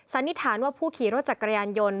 สันนิษฐานว่าผู้ขี่รถจักรยานยนต์